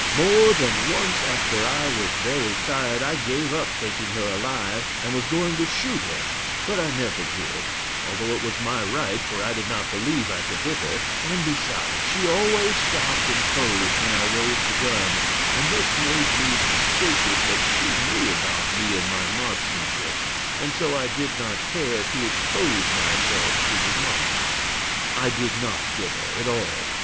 More than once, after I was very tired, I gave up taking her alive, and was going to shoot her, but I never did it, although it was my right, for I did not believe I could hit her; and besides, she always stopped and posed, when I raised the gun, and this made me suspicious that she knew about me and my marksmanship, and so I did not care to expose myself to remarks. I did not get her, at all.